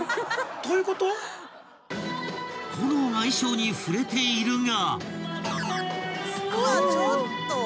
［炎が衣装に触れているが］